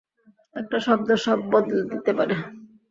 একটা শব্দ সব বদলে দিতে পারে।